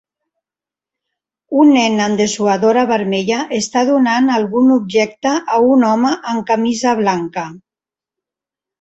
Un nen amb dessuadora vermella està donant algun objecte a un home amb camisa blanca.